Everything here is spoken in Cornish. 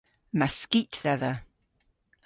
Yma skit dhedha.